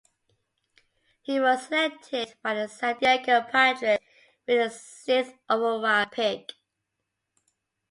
He was selected by the San Diego Padres with the sixth overall pick.